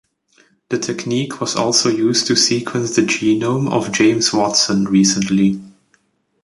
This technique was also used to sequence the genome of James Watson recently.